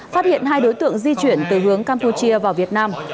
phát hiện hai đối tượng di chuyển từ hướng campuchia vào việt nam